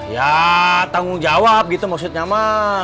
ya tanggung jawab gitu maksudnya mah